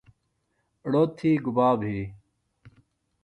ڑو تھی گُبا بھی؟